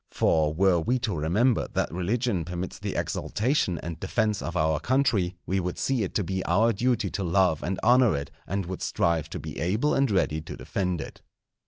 For were we to remember that religion permits the exaltation and defence of our country, we would see it to be our duty to love and honour it, and would strive to be able and ready to defend it.